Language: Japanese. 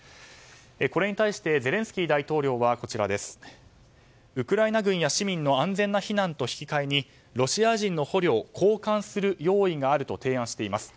これに対してゼレンスキー大統領はウクライナ軍や市民の安全な避難と引き換えにロシア人の捕虜を交換する用意があると提案しています。